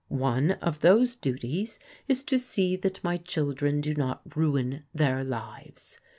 One of those duties is to see that my children do not ruin their lives.